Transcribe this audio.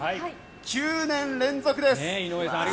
９年連続です。